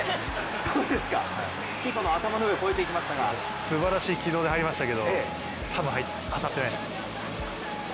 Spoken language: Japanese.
キーパーの頭の上を越えていきましたがすばらしい軌道で入りましたけど多分当たってないですね。